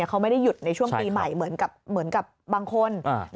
เขาไม่ได้หยุดในช่วงปีใหม่เหมือนกับบางคน